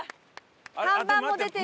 看板も出てる。